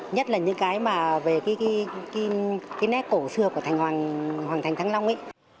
nhất là những cái mà về cái nét cổ xưa của hoàng thành thăng long ý